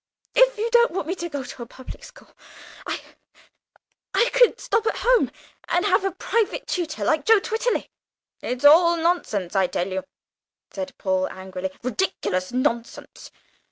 If you don't want me to go to a public school, I I could stop at home and have a private tutor like Joe Twitterley!" "It's all ridiculous nonsense, I tell you," said Paul angrily, "ridiculous nonsense!